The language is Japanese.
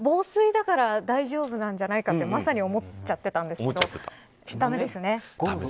防水だから大丈夫じゃないかってまさに思っちゃってたんですけど駄目ですね。